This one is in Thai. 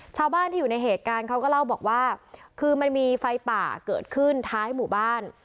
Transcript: ชาวบ้านที่อยู่ในเหตุการณ์เขาก็เล่าบอกว่าคือมันมีไฟป่าเกิดขึ้นท้ายหมู่บ้าน